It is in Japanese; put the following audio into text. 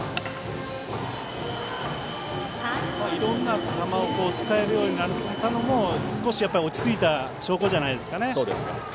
いろんな球を使えるようになったのも少し落ち着いた証拠じゃないですかね。